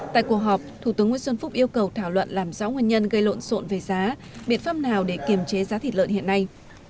tại cuộc họp thủ tướng nguyễn xuân phúc yêu cầu thảo luận làm rõ nguyên nhân gây lộn xộn về giá biện pháp nào để kiềm chế giá thịt lợn hiện nay